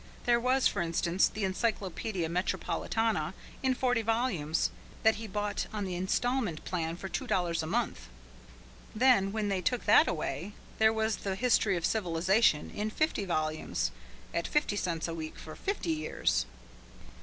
There was, for instance, the "Encyclopaedia Metropolitana" in forty volumes, that he bought on the instalment plan for two dollars a month. Then when they took that away, there was the "History of Civilization," in fifty volumes at fifty cents a week for fifty years.